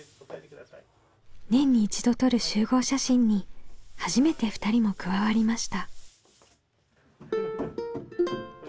年に一度撮る集合写真に初めて２人も加わりました。